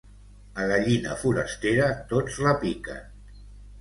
A gallina forastera tots la piquen.